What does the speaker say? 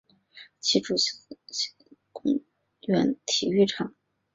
其主场为斯特伯恩希思公园体育场。